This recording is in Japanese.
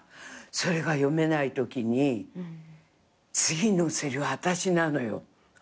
それが読めないときに次のせりふ私なのよ。